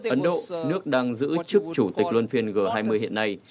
ấn độ nước đang giữ chức chủ tịch luân phiên g hai mươi hiện nay